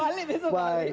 balik itu balik